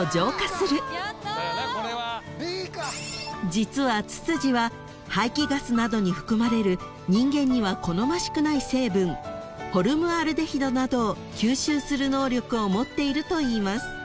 ［実はツツジは廃棄ガスなどに含まれる人間には好ましくない成分ホルムアルデヒドなどを吸収する能力を持っているといいます］